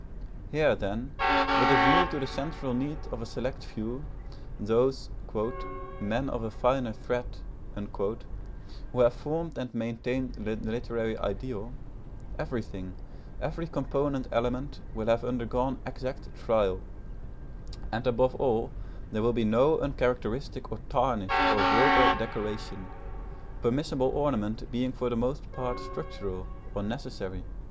Here, then, with a view to the central need of a select few, those "men of a finer thread" who have formed and maintain the literary ideal, everything, every component element, will have undergone exact trial, and, above all, there will be no uncharacteristic or tarnished or vulgar decoration, permissible ornament being for the most part structural, or necessary.